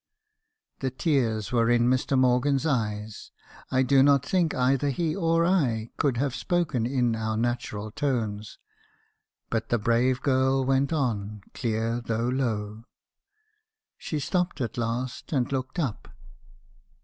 * The tears were in Mr. Morgan's eyes. I do not think either he or I could have spoken in our natural tones ; but the brave girl went on , clear though low. She stopped at last, and looked up.